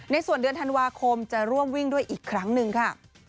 ส่วนเดือนธันวาคมจะร่วมวิ่งด้วยอีกครั้งหนึ่งค่ะ